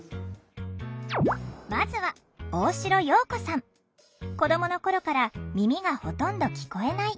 まずは子どもの頃から耳がほとんど聞こえない。